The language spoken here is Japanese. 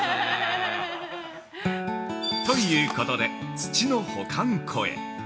◆ということで、土の保管庫へ。